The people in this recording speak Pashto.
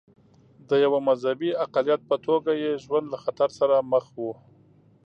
د یوه مذهبي اقلیت په توګه یې ژوند له خطر سره مخ و.